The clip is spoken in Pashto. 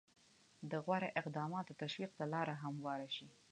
د غوره اقداماتو تشویق ته لاره هواره شي.